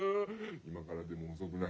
今からでもおそくない。